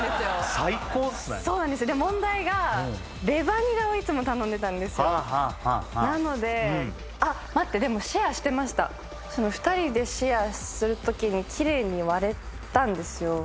最高っすねそうなんですで問題がレバニラをいつも頼んでたんですよなのであっ待ってでもシェアしてました２人でシェアする時にきれいに割れたんですよ